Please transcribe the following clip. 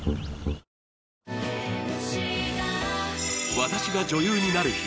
『私が女優になる日＿』